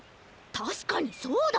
たしかにそうだ！